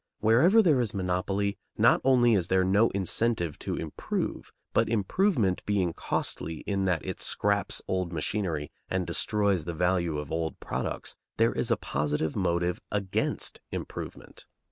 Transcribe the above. Wherever there is monopoly, not only is there no incentive to improve, but, improvement being costly in that it "scraps" old machinery and destroys the value of old products, there is a positive motive against improvement.